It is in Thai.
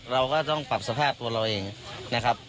เราก็ต้องปรับสภาพตัวเราเองนะครับ